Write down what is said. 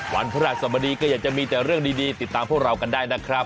วันพระราชสมดีก็อยากจะมีแต่เรื่องดีติดตามพวกเรากันได้นะครับ